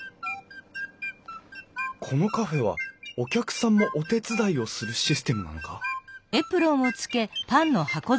このカフェはお客さんもお手伝いをするシステムなのか？